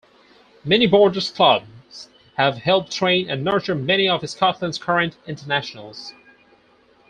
Many Borders clubs have helped train and nurture many of Scotland's current internationals.